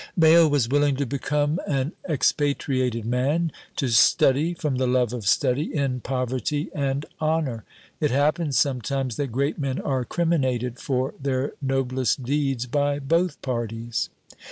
Bayle was willing to become an expatriated man; to study, from the love of study, in poverty and honour! It happens sometimes that great men are criminated for their noblest deeds by both parties.